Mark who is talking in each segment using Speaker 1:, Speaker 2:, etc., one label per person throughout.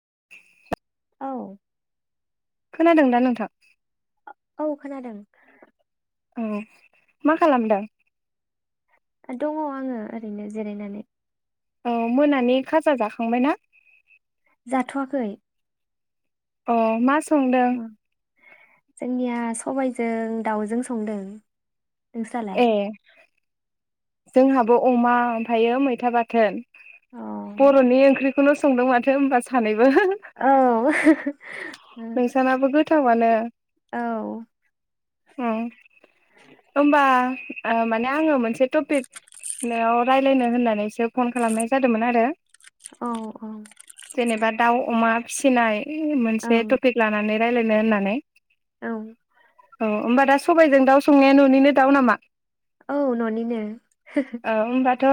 Speaker 1: [inaudible]
Speaker 2: औ
Speaker 1: खोनादों दा नोंथां
Speaker 2: औ खोनादों
Speaker 1: औ मा खालामदों
Speaker 2: दङ आङो ओरैनो जिरायनानै
Speaker 1: औ मोनानि खाजा जाखांबायना
Speaker 2: जाथ'वाखै
Speaker 1: अ मा संदों
Speaker 2: उम जोंनिया सबायजों दाउजों संदों नोंस्रालाय
Speaker 1: ए जोंहाबो अमा ओमफ्रायो मैथा बाथोन
Speaker 2: औ
Speaker 1: बर'नि ओंख्रि खौनो संदों माथो होनबा सानै
Speaker 2: औ [unintelligible]
Speaker 1: नोंसानाबो गोथावानो
Speaker 2: औ
Speaker 1: ओं ओमबा माने आङो मोनसे टपिक रायज्लायनो होननानैसो फन खालामनाय जादोंमोन आरो
Speaker 2: ओं औ
Speaker 1: जेनेबा दाउ अमा फिसिनाय मोनसे टपिक लानानै रायलायनो होननानै
Speaker 2: औ
Speaker 1: अ होमबा दा सबबायजों दाउ संनाया न'निनो दाउ नामा
Speaker 2: औ न'निनो
Speaker 1: औ होमबाथ'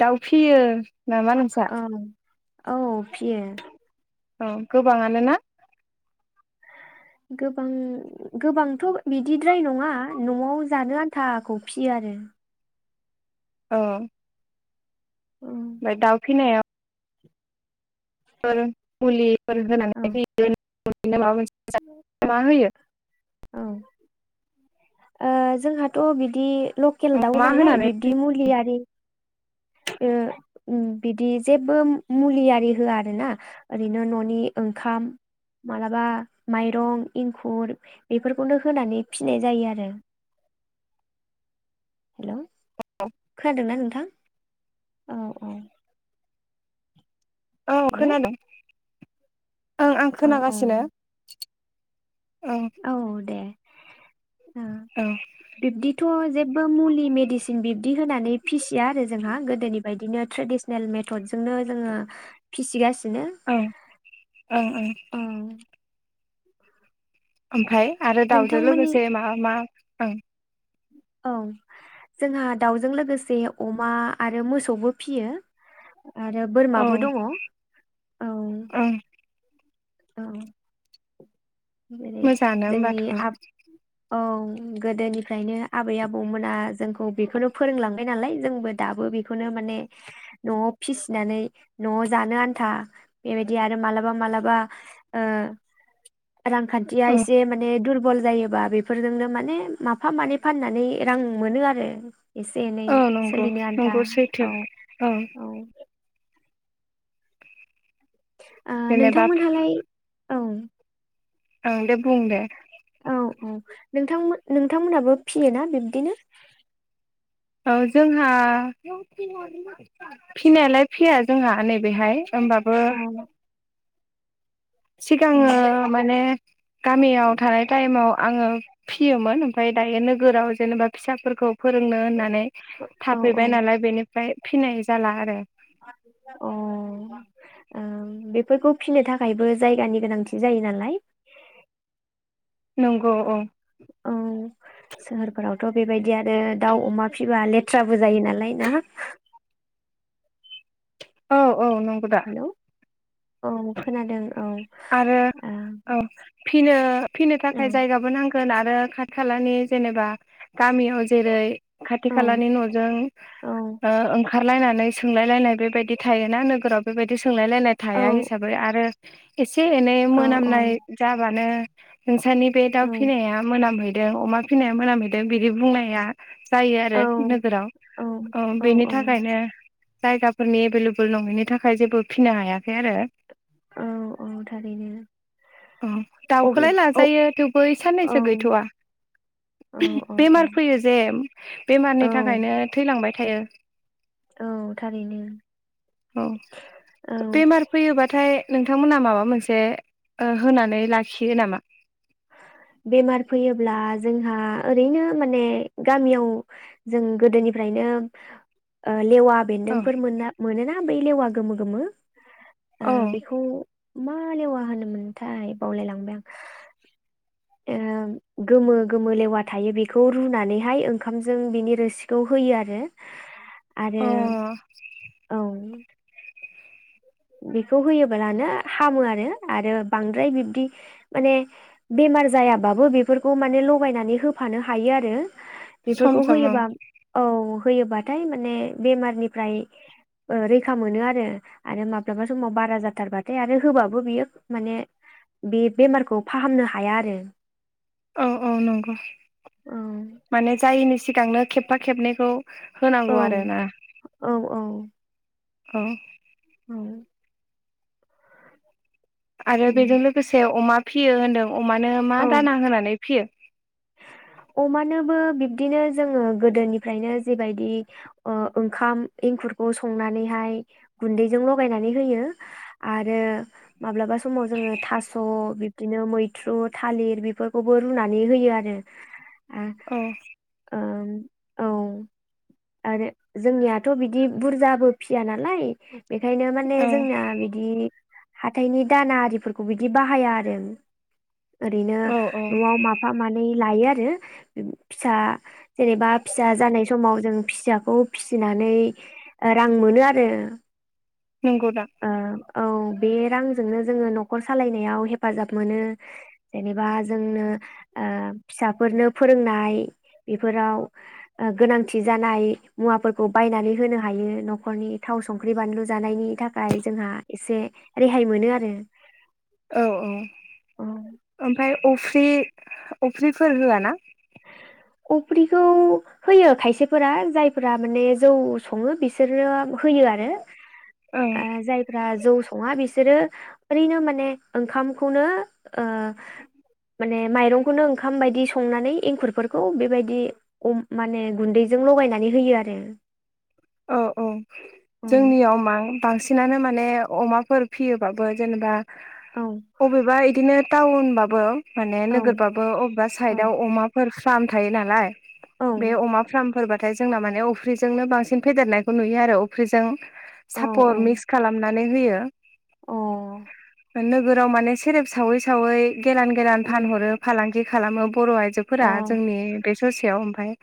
Speaker 1: दाउ फियो नामा नोंसा
Speaker 2: औ औ फियो
Speaker 1: औ गोबाङानो ना
Speaker 2: गोबां गोबांथ' बिदिद्राय नङा न'आव जानो आन्थाखौ फिसियो आरो
Speaker 1: औ
Speaker 2: औ
Speaker 1: ओमफ्राय दाउ फिनायाव मुलि फोर
Speaker 2: औ
Speaker 1: होनानै फियो [unintelligible] मा होयो
Speaker 2: औ ओ जोंहाथ' बिदि लकेल दाउ
Speaker 1: मा
Speaker 2: नालाय
Speaker 1: होनानै फि
Speaker 2: बिब्दि मुलि आरि ओ बिदि जेबो मुलि आरि होआ आरोना ओरैनो न'नि ओंखाम मालाबा माइरं इंखुर बेफोरखौनो होनानै फिनाय जायो आरो हेलौ खोनादोंना नोंथां औ औ
Speaker 1: औ
Speaker 2: हेलौ
Speaker 1: खोनादों ओ आं
Speaker 2: औ औ
Speaker 1: खोनागासिनो ओं
Speaker 2: औ दे ओ
Speaker 1: ओं
Speaker 2: बिब्दिथ' जेबो मुलि मेडिसिन बिब्दि होनानै फिसिया आरो जोंहा गोदोनि बायदिनो ट्रेडिसनेल मेथदजोंनो जोङो फिसिगासिनो
Speaker 1: ओं ओं ओं
Speaker 2: औ [inaudible]
Speaker 1: ओमफाय आरो दावजों
Speaker 2: नोंथांमोननि
Speaker 1: लोगोसे मा मा ओं
Speaker 2: औ जोंहा दाउजों लोगोसे अमा आरो मोसौबो फियो आरो बोरमाबो दङ औ
Speaker 1: ओं
Speaker 2: औ जेरै
Speaker 1: मोजाङानो
Speaker 2: जोंनि
Speaker 1: होमबाथ'
Speaker 2: आबाद औ गोदोनिफ्रायनो आबै आबौमोना जोंखौ बेखौनो फोरोंलांबायनालाय जोंबो दाबो बेखौनो माने न'आव फिसिनानै न'आव जानो आन्था बेबायदि आरो मालाबा मालाबा ओ रांखान्थिया
Speaker 1: औ
Speaker 2: एसे माने दुर बल जायोबा बेफोरजोंनो माने माफा मानै फाननानै रां मोनो आरो एसे एनै
Speaker 1: औ नंगौ
Speaker 2: सोलिनो आन्था
Speaker 1: नंगौ सैथो
Speaker 2: औ औ ओ
Speaker 1: जेनेबा
Speaker 2: नोंथांमोनहालाय औ
Speaker 1: ओं दे बुं दे
Speaker 2: औ औ नोंथांमोन नोंथांमोनहाबो फियो ना बिब्दिनो?
Speaker 1: औ जोंहा फिनायालाय फिया जोंहा नै बेहाय ओमबाबो
Speaker 2: औ औ
Speaker 1: सिगाङो माने गामियाव थानाय टाइमाव आङो फियोमोन ओमफ्राय दायो नोगोराव जेनेबा फिसाफोरखौ फोरोंनो होननानै
Speaker 2: औ औ
Speaker 1: थाफैबाय नालाय बेनिफ्राय फिनाय जाला आरो
Speaker 2: अ ओम बेफोरखौ फिनो थाखायबो जायगानि गोनांथि जायो नालाय।
Speaker 1: नंगौ औ
Speaker 2: औ सोहोर फोराव थ' बेबायदि आरो दाउ अमा फिसिबा लेथ्राबो जायो नालाय ना
Speaker 1: औ औ नंगौ दा
Speaker 2: हेलौ औ खोनादों औ।
Speaker 1: आरो
Speaker 2: आ
Speaker 1: औ फिनो फिनो
Speaker 2: औ
Speaker 1: थाखाय जायगाबो नां गोन आरो खाथि खालानि जेनेबा गामियाव जेरै खाथि
Speaker 2: औ
Speaker 1: खालानि न'जों
Speaker 2: औ
Speaker 1: ओ ओंखारलायनानै सोंलायलायनाय बेबायदि थायो ना नोगोराव बेबायदि सोंलायलायनाय
Speaker 2: औ
Speaker 1: थाया हिसाबै आरो [unintelligible] एसे एनै
Speaker 2: औ
Speaker 1: मोनामनाय जाबानो [unintelligible] आसानि बे दा
Speaker 2: औ
Speaker 1: फिनाया मोनामहै दों अमा फिसिनाया मोनामहैदों बिदि बुंनाया जायो आरो नोगोराव औ बेनि थाखायनो जायगाफोरनि एभेलेबोल नङिनि थाखाय जेबो फिनो हायाखै आरो
Speaker 2: औ औ थारैनो अब्ला
Speaker 1: दाउखौलाय
Speaker 2: औ
Speaker 1: लाजायो थेवबो
Speaker 2: औ औ
Speaker 1: साननैसो गैथ'वा
Speaker 2: औ
Speaker 1: बेमार फैयो जे बेमारनि थाखायनो
Speaker 2: औ
Speaker 1: थैलांबाय थ थायो
Speaker 2: औ थारैनो
Speaker 1: औ
Speaker 2: औ
Speaker 1: बेमार फैयोबाथाय नोंथांमोना माबा मोनसे ओ होनानै लाखियो नामा
Speaker 2: बेमार फैयोब्ला जोंहा ओरैनो माने गामियाव जों गोदोनिफ्रायनो ओ लेवा
Speaker 1: औ
Speaker 2: बेन्दोंफोर मोन मोनो ना बे लेवा गोमो गोमो ओ
Speaker 1: औ
Speaker 2: बेखौ मा लेवा होनोमोनथाय बावलायलांबाय आं ओ गोमो गोमो लेवा थायो बेखौ रुनानैहाय ओंखामजों बिनि रोसिखौ होयो आरो
Speaker 1: अ
Speaker 2: आरो औ बेखौ होयोब्लानो हामो आरो आरो बांद्राय बिब्दि माने बेमार जायाबाबो बेफोरखौ माने लगायनानै होफानो हायो आरो
Speaker 1: सम
Speaker 2: बेफोरखौ
Speaker 1: सम
Speaker 2: होयोबा
Speaker 1: औ
Speaker 2: औ होयोबाथाय माने बेमारनिफ्राय ओ रैखा मोनो आरो आरो माबा माब्लाबा समाव बारा जाथारबाथाय आरो होबाबो बियो माने बे बेमारखौ फाहामनो हाया आरो
Speaker 1: औ औ नंगौ
Speaker 2: औ
Speaker 1: माने जायैनि सिगांनो खेबफा खेबनैखौ होनांगौ
Speaker 2: औ
Speaker 1: आरोना
Speaker 2: औ औ
Speaker 1: औ
Speaker 2: औ
Speaker 1: आरो बेजों
Speaker 2: उम
Speaker 1: लोगोसे अमा फियो होनदों अमानो मा
Speaker 2: औ
Speaker 1: दाना होनानै फियो
Speaker 2: अमानोबो बिब्दिनो जोङो गोदोनिफ्रायनो जेबायदि ओ ओंखाम एंखुरखौ संनानैहाय गुन्दैजों लगायनानै होयो आरो माब्लाबा समाव जोङो थास' बिब्दिनो मैथ्रु थालिर बेफोरखौबो रुनानै होयो आरो आ
Speaker 1: औ
Speaker 2: ओं औ आरो जोंनियाथ' बिदि बुरजाबो फिया नालाय बेखायनो माने
Speaker 1: औ
Speaker 2: जोंना बिदि हाथाइनि दाना आरिफोरखौ बिदि बाहाया आरो ओरैनो
Speaker 1: औ औ
Speaker 2: न'आव माफा मानै थायो आरो फिसा जेनेबा फिसा जानाय समाव जों फिसाखौ फिसिनानै ओ रां मोनो आरो
Speaker 1: नंगौदा
Speaker 2: ओ औ बे रांजोंनो जोङो नखर सालायनायाव हेफाजाब मोनो जेनेबा जोंनो ओ फिसाफोरनो फोरोंनाय बेफोराव गोनांथि जानाय मुवाफोरखौ बायनानै होनो हायो नखरनि थाव संख्रि बानलु जानायनि था खाय जोंहा एसे रेहाय मोनो आरो
Speaker 1: औ औ ओमफाय अफ्रि अफ्रिफोर होआ ना
Speaker 2: अफ्रिखौ होयो खायसेफोरा जायफोरा माने जौ सङो बिसोरो होयो आरो
Speaker 1: ओं
Speaker 2: ओ जायफ्रा जौ सङा बिसोरो ओरैनो माने ओंखामखौनो ओ माने माइरंखौनो ओंखाम बायदि संनानै एंखुरफोरखौ बेबायदि अम माने गुन्दैजों लगायनानै होयो आरो
Speaker 1: औ औ जोंनियाव मां बांसिनानो माने अमाफोर फियोबाबो जेनेबा अबेबा इदिनो टाउनबाबो माने नोगोरबाबो अबेबा साइदाव अमाफोर फाम थायो नालाय बे अमा फ्रामफोर बा थाय जोंना माने अफ्रिजोंनो बांसिन फेदेरनायखौ नुयो आरो अफ्रिजों सापर मिस खालामना नै होयो
Speaker 2: अ
Speaker 1: नोगोराव माने सेरेब सावै सावै गोरान गोरान फानहरो फालां गि खालामो बर' आइजोफोरा जोंनि बे ससेयाव ओमफाय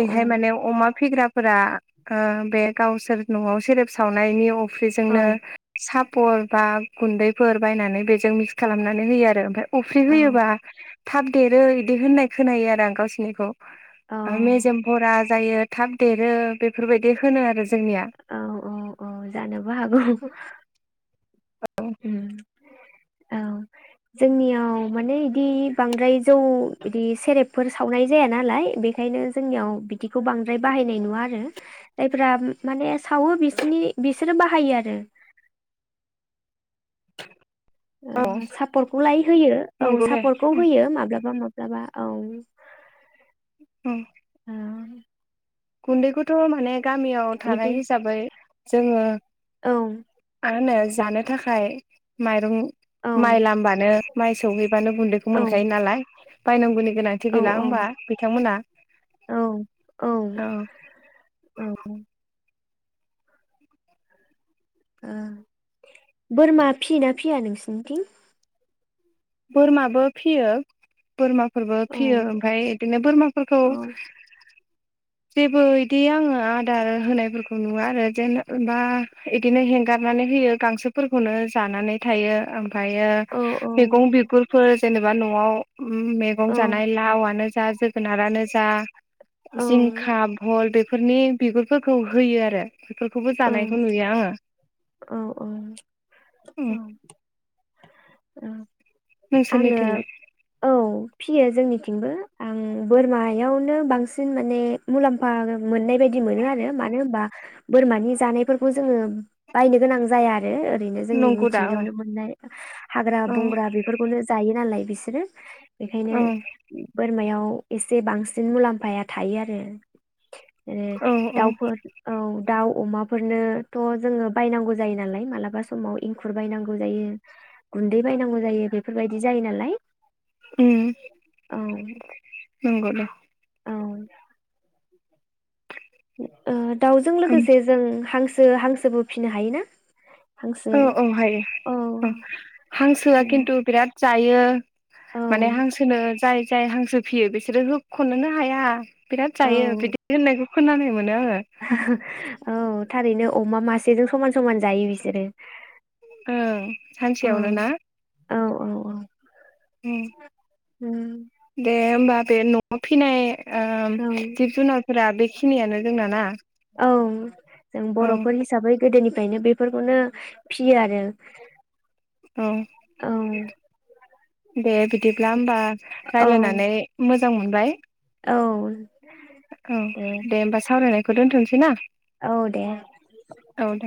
Speaker 1: बेहाय माने अमा फिग्रा फोरा ओ बे गावसोर न'आव सेरेब सावनायनि अ फ्रिजोंनो साब पर बा गुन्दैफोर बायनानै बेजों मिक्स खालामनानै होयो आरो ओमफाय अफ्रि होयोबा थाब देरो इदि होननाय खोनायो आरो आं गावसोरनिखौ ओ मेजेम भरा जायो थाब देरो बे फोरबायदि होनो आरो जोंनिया
Speaker 2: औ औ औ जानोबो हागौ। उम औ जोंनियाव माने इदि बांद्राय जौ बिदि सेरेबफोर सावनाय जाया नालाय बेखायनो जोंनियाव बिदिखौ बांद्राय बाहायनाय नुवा आरो जायफ्रा माने सावो बिसोनि बिसोरो बाहायो आरो
Speaker 1: औ
Speaker 2: ओ सार्पखौलाय होयो औ
Speaker 1: नंगौ दे
Speaker 2: सार्पखौ होयो माब्लाबा मा- ब्लाबा औ। ओं
Speaker 1: गुन्दैखौथ' मा माने गामियाव
Speaker 2: बिदि
Speaker 1: थानाय हिसाबै जोङो
Speaker 2: औ
Speaker 1: मा होनो जानो थाखाय माइरं
Speaker 2: औ
Speaker 1: माइ लामबानो माइ सौहैबानो गुन्दैखौ मोनखायो नालाय बाय नांगौनि गोनांथि
Speaker 2: औ
Speaker 1: गैला होमबा बिथांमोना औ
Speaker 2: ओ बोरमा फियोना फिया नोंसिनिथिं
Speaker 1: बोरमाबो फियो बोरमाफोरबो
Speaker 2: औ
Speaker 1: फियो ओमफ्राय बिदिनो बोरमाफोरखौ
Speaker 2: औ
Speaker 1: जेबो इदि आङो आदार होनायफोरखौ नुवा आरो जेनेबा बिदिनो हेंगारनानै होयो गांसोफोरखौनो जानानै थायो ओ
Speaker 2: औ
Speaker 1: फायो मैगं बिगुरफोर जेनेबा न'आव मैगं
Speaker 2: औ
Speaker 1: जानाय लावनो जा जोगोनारानो जा
Speaker 2: औ
Speaker 1: जिंखा भल बे फोरनि बिगुरफोरखौ होयो आरो बेफोरखौबो जानायखौ नुयो आङो
Speaker 2: औ औ औ
Speaker 1: उम
Speaker 2: औ आङो
Speaker 1: नोंसोरनिथिंलाय
Speaker 2: औ फियो जोंनिथिंबो आं बोरमायावनो बांसिन माने मुलाम्फा मोननाय बायदि मोनो आरो मानो होनबा बोरमानि जानायफोरखौ जोङो बायनो गोनां जाया आरो ओरैनो जोंनि
Speaker 1: नंगौ दा औ
Speaker 2: मिथिंगायावनो मोननाय हाग्रा
Speaker 1: औ
Speaker 2: बंग्रा बेफोरखौनो जायो नालाय बिसोरो बेखायनो
Speaker 1: औ
Speaker 2: मायाव एसे बांसिन मुलाम्फाया थायो आरो ए
Speaker 1: औ औ
Speaker 2: दाउफोर औ दाउ अमाफोरनोथ' जोङो बायनांगौ जायो नालाय मालाबा समाव एंखुर बायनांगौ जायो गुन्दै बायनांगौ जायो बेफोरबायदि जायो नालाय
Speaker 1: उम
Speaker 2: औ
Speaker 1: नंगौ दे
Speaker 2: औ ओ दाउजों लोगोसे जों हांसो बो हांसोबो फिसिनो हायो ना
Speaker 1: औ औ हायो औ हांसोआ खिन्थु बिराद जायो
Speaker 2: औ
Speaker 1: माने हांसोनो जाय जाय हांसो फियो बिसोरो हो खनोनो हाया बिराद
Speaker 2: औ
Speaker 1: जायो बिदि होननायखौ [unintelligible]
Speaker 2: [unintelligible] औ थारैनो अमा मासेजों समान समान जायो बिसोरो
Speaker 1: ओं
Speaker 2: औ
Speaker 1: सानसेयावनो ना
Speaker 2: औ औ औ
Speaker 1: ओं
Speaker 2: उम
Speaker 1: दे होमबा बे न'आव फिनाय ओ
Speaker 2: औ
Speaker 1: जिब जुनारफोरा बेखिनियानो जोंना ना
Speaker 2: औ
Speaker 1: औ
Speaker 2: फायनो बेफोरखौनो फियो आरो
Speaker 1: औ
Speaker 2: औ
Speaker 1: दे बिदिब्ला होमबा
Speaker 2: औ
Speaker 1: रायलायनानै मोजां मोजां मोनबाय
Speaker 2: औ
Speaker 1: औ दे होमबा सावरायनायखौ दोनथ'सै ना
Speaker 2: औ दे
Speaker 1: औ दे